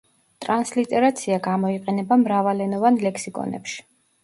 ტრანსლიტერაცია გამოიყენება მრავალენოვან ლექსიკონებში.